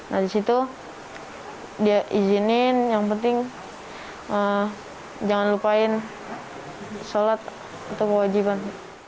nah di situ dia izinin yang penting jangan lupain sholat atau kewajiban